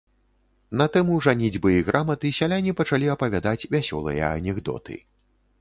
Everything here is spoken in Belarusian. На тэму жаніцьбы і граматы сяляне пачалі апавядаць вясёлыя анекдоты.